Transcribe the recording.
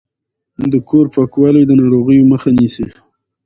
د کور پاکوالی د ناروغیو مخه نیسي۔